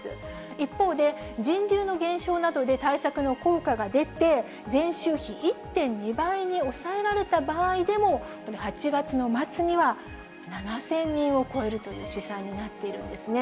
一方で、人流の減少などで対策の効果が出て、前週比１．２倍に抑えられた場合でも、この８月の末には、７０００人を超えるという試算になっているんですね。